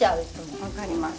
分かります。